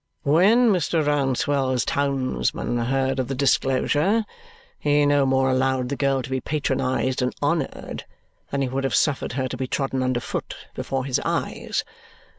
When Mr. Rouncewell's townsman heard of the disclosure, he no more allowed the girl to be patronized and honoured than he would have suffered her to be trodden underfoot before his eyes.